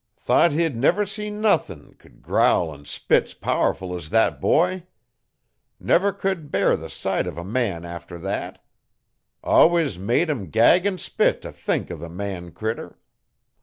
Thought he'd never see nuthin' c'u'd growl 'n spits powerful es thet boy. Never c'u'd bear the sight uv a man after thet. Allwus made him gag 'n spit t' think o' the man critter.